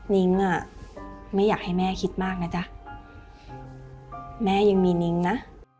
นิ้งอ่ะไม่อยากให้แม่คิดมากนะจ๊ะแม่ยังมีนิ้งนะ